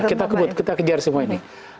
kita kebut kita kejar semua ini